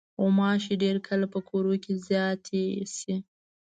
غوماشې ډېر کله په کورونو کې زیاتې شي.